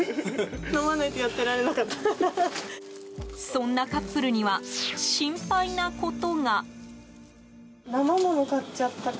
そんなカップルには心配なことが。